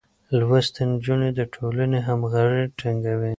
لوستې نجونې د ټولنې همغږي ټينګوي.